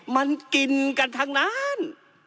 มันกินกันทั้งนั้น